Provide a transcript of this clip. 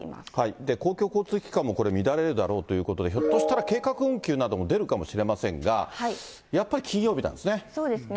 公共交通機関も、これ、乱れるだろうということで、ひょっとしたら計画運休なども出るかもしれませんが、そうですね。